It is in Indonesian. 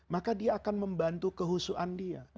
maka dia akan membantu kehusuan dia